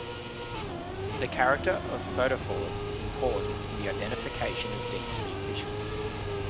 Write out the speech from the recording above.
The character of photophores is important in the identification of deep sea fishes.